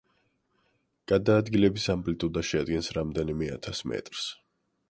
გადაადგილების ამპლიტუდა შეადგენს რამდენიმე ათას მეტრს.